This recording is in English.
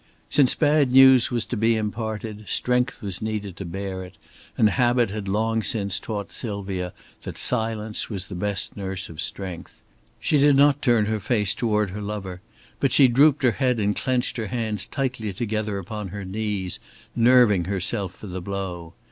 Since bad news was to be imparted, strength was needed to bear it; and habit had long since taught Sylvia that silence was the best nurse of strength. She did not turn her face toward her lover; but she drooped her head and clenched her hands tightly together upon her knees, nerving herself for the blow.